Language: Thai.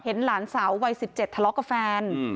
เห็นหลานสาววัยสิบเจ็ดทะเลาะกับแฟนอืม